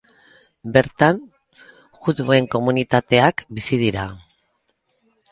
Bertan juduen komunitateak bizi dira.